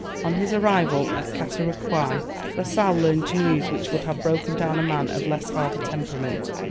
On his arrival at Catarocouy, La Sale learned news which would have broken down a man of a less hardy temperament.